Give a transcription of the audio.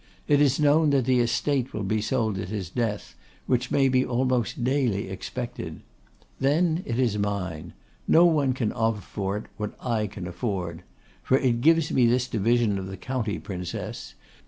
It is known that the estate will be sold at his death, which may be almost daily expected. Then it is mine. No one can offer for it what I can afford. For it gives me this division of the county, Princess.